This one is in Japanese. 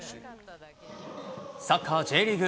サッカーＪリーグ。